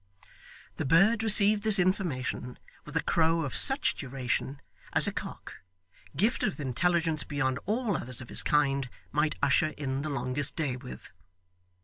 The bird received this information with a crow of such duration as a cock, gifted with intelligence beyond all others of his kind, might usher in the longest day with.